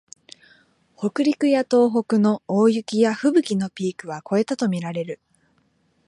北陸や東北の大雪やふぶきのピークは越えたとみられる